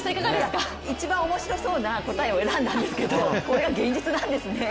一番面白そうな答えを選んだんですけどこれが現実なんですね。